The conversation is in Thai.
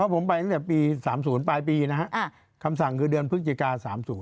ผมไปตั้งแต่ปี๓๐ปลายปีนะฮะคำสั่งคือเดือนพฤศจิกา๓๐